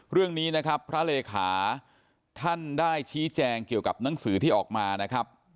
เรื่องนี้นะครับพระเลขาท่านได้ชี้แจงเกี่ยวกับหนังสือที่ออกมานะครับ